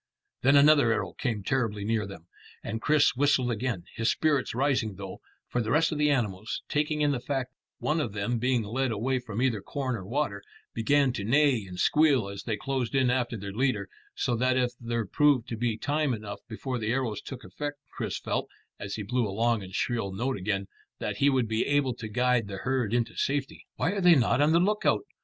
Then another arrow came terribly near them, and Chris whistled again, his spirits rising though, for the rest of the animals, taking in the fact of one of them being led away from either corn or water, began to neigh and squeal as they closed in after their leader, so that if there proved to be time enough before the arrows took effect, Chris felt, as he blew a long and shrill note again, that he would be able to guide the herd into safety. "Why are they not on the lookout?"